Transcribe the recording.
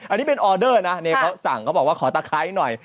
อันนี้เป็นออเดอร์นะนี่เขาสั่งเขาบอกว่าขอตะไคร้หน่อย